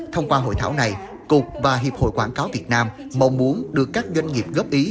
thông qua hội thảo này cục và hiệp hội quảng cáo việt nam mong muốn được các doanh nghiệp góp ý